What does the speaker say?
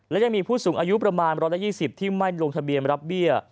และยังมีผู้สูงอายุประมาณ๑๒๐ที่ไม่ลงทะเบียนรับเบี้ย